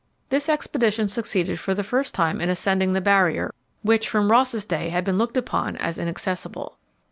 This expedition succeeded for the first time in ascending the Barrier, which from Ross's day had been looked upon as inaccessible.